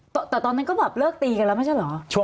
แต่ตอนนั้นก็แบบเลิกตีกันแล้วไม่ใช่เหรอ